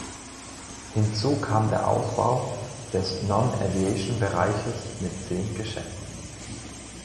Hinzu kam der Ausbau des Non-Aviation-Bereiches mit zehn Geschäften.